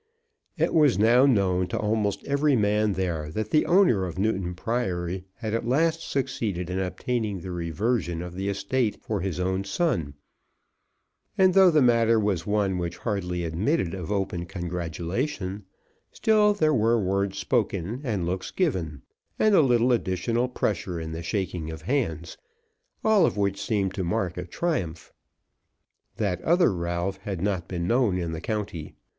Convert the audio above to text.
It was now known to almost every man there that the owner of Newton Priory had at last succeeded in obtaining the reversion of the estate for his own son; and though the matter was one which hardly admitted of open congratulation, still there were words spoken and looks given, and a little additional pressure in the shaking of hands, all of which seemed to mark a triumph. That other Ralph had not been known in the county.